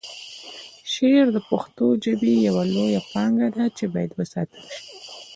شعر د پښتو ژبې یوه لویه پانګه ده چې باید وساتل شي.